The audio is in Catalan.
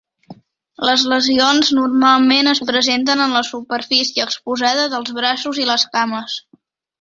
Les lesions normalment es presenten en la superfície exposada dels braços i les cames.